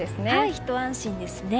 ひと安心ですね。